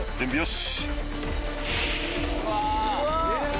よし！